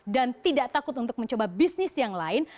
dan tidak takut untuk mencoba bisnis yang lain